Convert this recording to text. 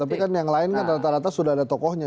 tapi kan yang lain kan rata rata sudah ada tokohnya